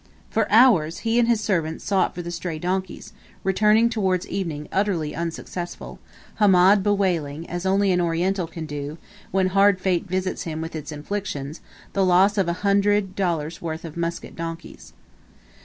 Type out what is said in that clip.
For hours he and his servants sought for the stray donkeys, returning towards evening utterly unsuccessful, Hamed bewailing, as only an Oriental can do, when hard fate visits him with its inflictions, the loss of a hundred do dollars worth of Muscat donkeys.